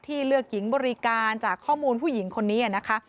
เลือกหญิงบริการจากข้อมูลผู้หญิงคนนี้นะคะ